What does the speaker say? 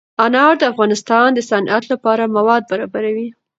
انار د افغانستان د صنعت لپاره مواد برابروي.